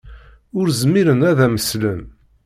Ur zmiren ad am-slen.